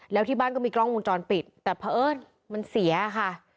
แล้วที่บ้านก็มีกล้องวงจรปิดแต่เพราะเอิ้นมันเสียค่ะ